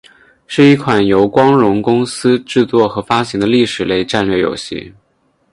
是一款由光荣公司制作和发行的历史类战略游戏。